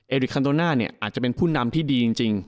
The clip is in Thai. ริคันโดน่าเนี่ยอาจจะเป็นผู้นำที่ดีจริง